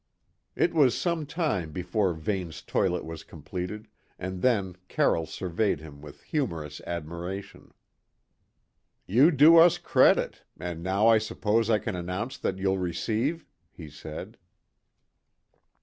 It was some time before Vane's toilet was completed, and then Carroll surveyed him with humorous admiration. "You do us credit, and now I suppose I can announce that you'll receive?" he said.